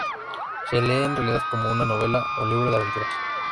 Se lee en realidad como una novela o libro de aventuras.